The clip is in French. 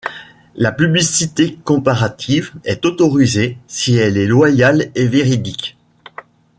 La publicité comparative est autorisée si elle est loyale et véridique.